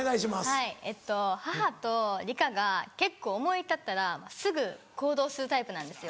はい母と梨花が結構思い立ったらすぐ行動するタイプなんですよ。